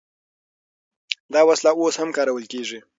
دا وسله اوس هم کارول کیږي.